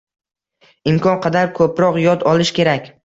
Imkon qadar ko‘proq yod olish kerak